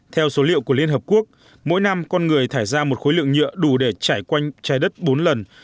theo số liệu của liên hợp quốc mỗi năm con người thải ra một khối lượng nhựa đủ để trải quanh trái đất bốn lần